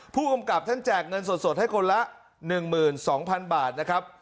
ผู้กำกับท่านแจกเงินสดให้คนละ๑๒๐๐๐บาทนะครับ